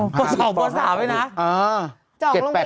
ป๒ป๓ไว้นะ